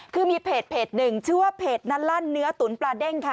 คือมีเพจหนึ่งชื่อว่าเพจนั้นลั่นเนื้อตุ๋นปลาเด้งค่ะ